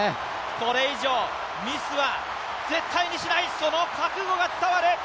これ以上、ミスは絶対にしない、その覚悟が伝わる。